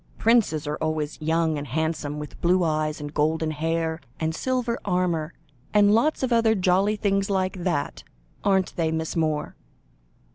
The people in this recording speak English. Princes are always young and handsome, with blue eyes and golden hair, and silver armour, and lots of other jolly things like that, aren't they, Miss Moore?"